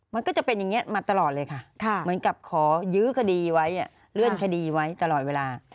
มันก็จะเป็นอย่างนี้มาตลอดเลยค่ะเหมือนกับขอยื้อคดีไว้เลื่อนคดีไว้ตลอดเวลา